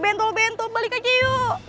bentol bentol balik aja yuk